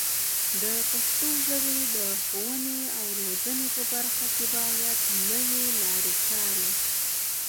د پښتو ژبې د ښوونې او روزنې په برخه کې باید نوې لارې چارې